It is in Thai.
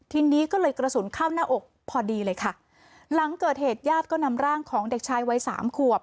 ทีนี้ก็เลยกระสุนเข้าหน้าอกพอดีเลยค่ะหลังเกิดเหตุญาติก็นำร่างของเด็กชายวัยสามขวบ